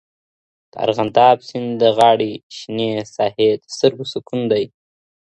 د ارغنداب سیند د غاړې شنې ساحې د سترګو سکون دی.